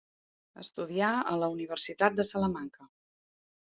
Estudià a la Universitat de Salamanca.